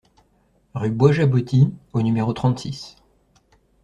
Rue Bois Jaboti au numéro trente-six